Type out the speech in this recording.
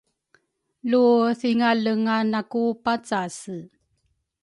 Lu thingalenga naku pacase